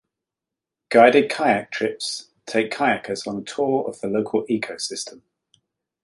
Guided kayak trips take kayakers on a tour of the local ecosystem.